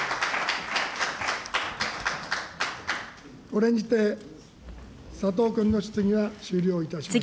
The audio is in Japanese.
これにて、佐藤君の質疑は終了いたしました。